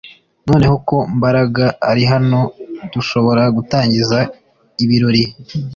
Noneho ko Mbaraga ari hano dushobora gutangiza ibirori